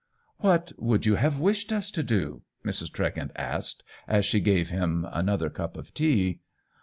"What would you have wished us to do?" Mrs.Tregent asked, as she gave him another cup of tea.